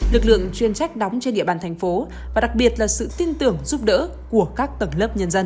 lực lượng chuyên trách đóng trên địa bàn thành phố và đặc biệt là sự tin tưởng giúp đỡ của các tầng lớp nhân dân